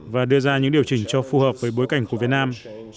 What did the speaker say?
và đưa ra những điều chỉnh cho phù hợp với bối cảnh của việt nam